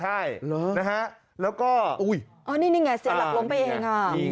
ห้ามนะฮะแล้วก็นี่ต้องเชื่อหลังล้มไปเอง